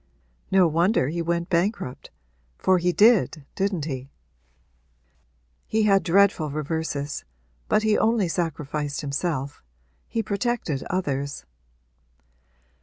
'No wonder he went bankrupt for he did, didn't he?' 'He had dreadful reverses but he only sacrificed himself he protected others.'